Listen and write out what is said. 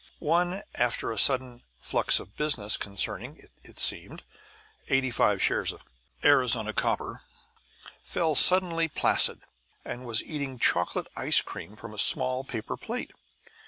One, after a sudden flux of business concerning (it seemed) 85 shares of Arizona Copper, fell suddenly placid, and was eating chocolate ice cream from a small paper plate.